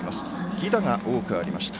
犠打が多くありました。